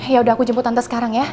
yaudah aku jemput tante sekarang ya